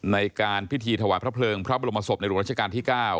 ในการพิธีถวายพระเพลิงพระบรมศพในหลวงราชการที่๙